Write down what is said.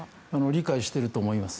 理解していると思います。